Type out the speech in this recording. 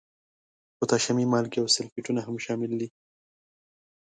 پوتاشیمي مالګې او سلفیټونه هم شامل دي.